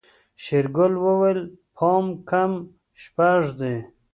شېرګل وويل پاو کم شپږ دي.